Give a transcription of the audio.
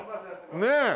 ねえ。